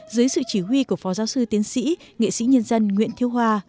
dưới sự chỉ huy của phó giáo sư tiến sĩ nghệ sĩ nhân dân nguyễn thiêu hoa